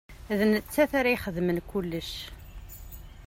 D nettat ara ixedmen kulec.